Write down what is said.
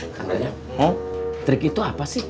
kang dadang trik itu apa sih